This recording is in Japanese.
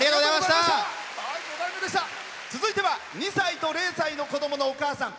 続いては２歳と０歳の子供のお母さん。